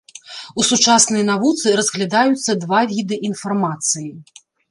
У сучаснай навуцы разглядаюцца два віды інфармацыі.